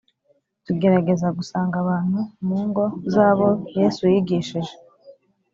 Tugerageza gusanga abantu mu ngo zabo yesu yigishije